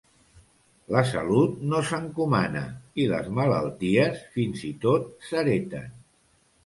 La salut no s'encomana i, les malalties, fins i tot s'hereten.